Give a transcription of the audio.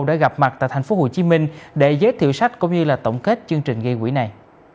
đã gặp mặt tại tp hcm để giới thiệu sách cũng như là tổng kết chương trình gây quỹ này